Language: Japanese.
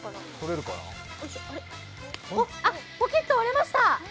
ポキッと折れました。